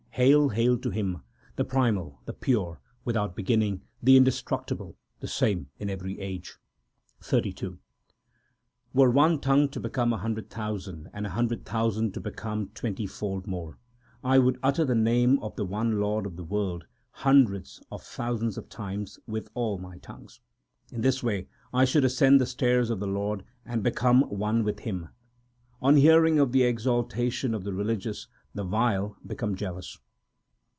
HAIL ! HAIL TO HIM, The primal, the pure, without beginning, the indestructible, the same in every age ! XXXII Were one tongue to become a hundred thousand, and a hundred thousand to become twentyfold more, I would utter the name of the one Lord of the world hundreds of thousands of times with all my tongues. In this way I should ascend the stairs of the Lord, and become one with Him. On hearing of the exaltation of the religious the vile become jealous.